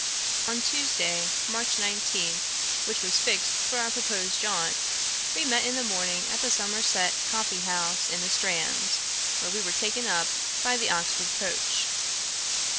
On Tuesday, March 19, which was fixed for our proposed jaunt, we met in the morning at the Somerset coffee house in the Strand, where we were taken up by the Oxford coach.